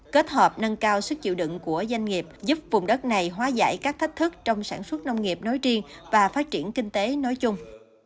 kết hợp nâng cao sức chịu đựng của doanh nghiệp giúp vùng đất này hóa giải các thách thức trong sản xuất nông nghiệp nói riêng và phát triển kinh tế nói chung